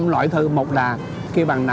năm loại thư một là kêu bằng